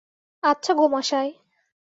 আচ্ছা গো মশায়!